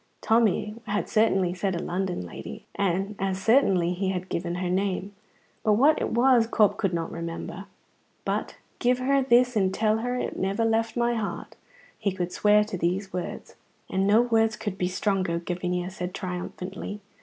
Tommy had certainly said a London lady, and as certainly he had given her name, but what it was Corp could not remember. But "Give her this and tell her it never left my heart" he could swear to these words. "And no words could be stronger," Gavinia said triumphantly.